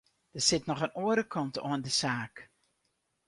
Der sit noch in oare kant oan de saak.